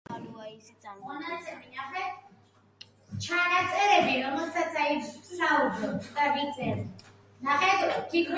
შუა საუკუნეებში აქ გადიოდა „დიღმის გზა“.